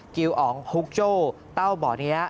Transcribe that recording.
กิวอ๋องฮุกโจ้เต้าบ่อนี้